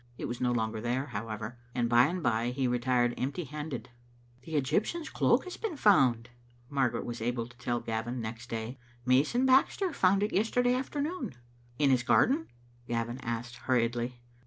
It was no longer there, however, and by and by he re tired empty handed. "The Egyptian's cloak has been found," Margaret was able to tell Gavin next day. " Mason Baxter found it yesterday afternoon." " In his garden?" Gavin asked hurriedly.